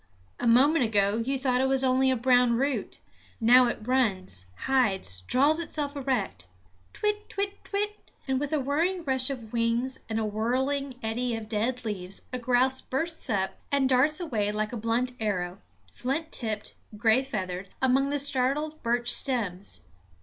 A moment ago you thought it was only a brown root; now it runs, hides, draws itself erect Kwit, kwit, kwit! and with a whirring rush of wings and a whirling eddy of dead leaves a grouse bursts up, and darts away like a blunt arrow, flint tipped, gray feathered, among the startled birch stems.